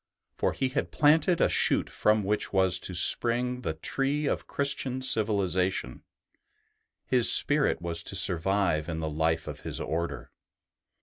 For he had planted a shoot from which was to spring the tree of Christian civilization; his spirit was to survive in the life of his Order.